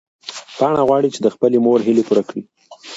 پاڼه غواړي چې د خپلې مور هیلې پوره کړي.